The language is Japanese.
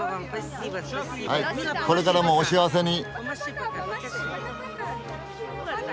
はいこれからもお幸せに。